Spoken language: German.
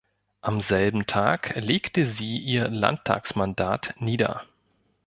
Am selben Tag legte sie ihr Landtagsmandat nieder.